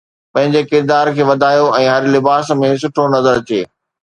پنهنجي ڪردار کي وڌايو ۽ هر لباس ۾ سٺو نظر اچي